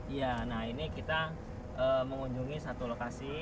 iya nah ini kita mengunjungi satu lokasi